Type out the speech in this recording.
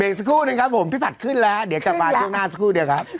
อีกสักครู่หนึ่งครับผมพี่ผัดขึ้นแล้วเดี๋ยวกลับมาช่วงหน้าสักครู่เดียวครับ